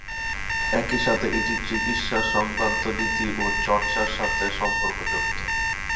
একই সাথে এটি চিকিৎসা সংক্রান্ত নীতি ও চর্চার সাথেও সম্পর্কযুক্ত।